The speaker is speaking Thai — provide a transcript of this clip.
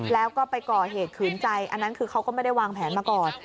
แล้วก็ไปก่อเหตุขืนใจอันนั้นคือเขาก็ไม่ได้วางแผนมาก่อน